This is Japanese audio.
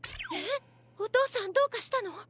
えっおとうさんどうかしたの？